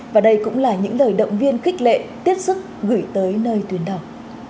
và đây cũng là những lời động viên khích lệ tiếp sức gửi tới nơi tuyến đầu